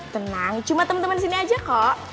tenang cuma temen temen sini aja kok